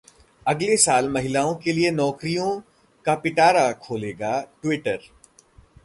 अगले साल महिलाओं के लिए नौकरियों का पिटारा खोलेगा ट्विटर